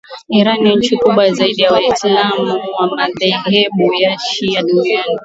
Iran nchi kubwa zaidi ya waislamu wa madhehebu ya shia duniani